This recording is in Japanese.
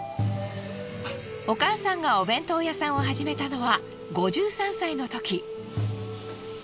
お母さんがお弁当屋さんを始めたのは５３歳のとき。